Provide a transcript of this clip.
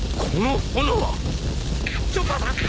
この炎は。